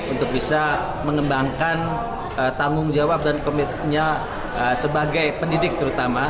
untuk bisa mengembangkan tanggung jawab dan komitmennya sebagai pendidik terutama